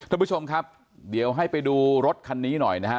ท่านผู้ชมครับเดี๋ยวให้ไปดูรถคันนี้หน่อยนะฮะ